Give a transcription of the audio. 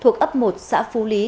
thuộc ấp một xã phú lý